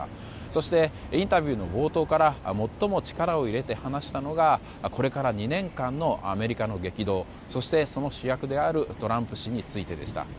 そして、インタビューの冒頭から最も力を入れて話したのがこれから２年間のアメリカの激動そしてその主役であるトランプ氏についてでした。